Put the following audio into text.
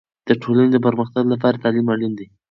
د ټولنې د پرمختګ لپاره تعلیم اړین دی.